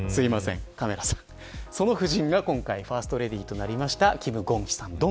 その夫人が今回ファーストレディーとなりました金建希さんです。